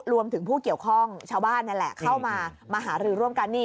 ผู้เกี่ยวข้องชาวบ้านนี่แหละเข้ามามาหารือร่วมกันนี่